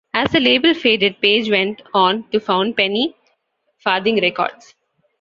As the label faded, Page went on to found Penny Farthing Records.